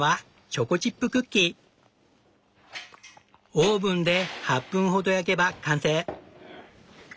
オーブンで８分ほど焼けば完成。